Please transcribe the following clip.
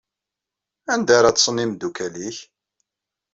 Anda ara ṭṭsen imdukal-ik?